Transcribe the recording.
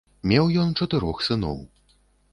Меў ён чатырох сыноў.